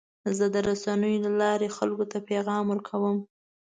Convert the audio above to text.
زه د رسنیو له لارې خلکو ته پیغام ورکوم.